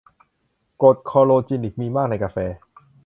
กรดคลอโรจีนิค มีมากในกาแฟ